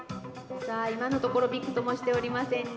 今のところ、びくともしておりませんね。